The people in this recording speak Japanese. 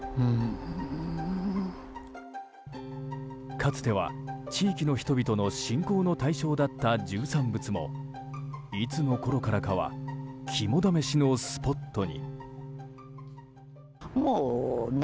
かつては地域の人々の信仰の対象だった十三佛もいつのころからかは肝試しのスポットに。